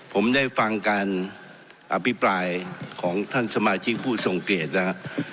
ผมได้ฟังการอภิปรายของท่านสมาชิกผู้ทรงเกลียดนะครับ